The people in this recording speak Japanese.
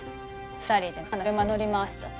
２人で真っ赤な車乗り回しちゃって。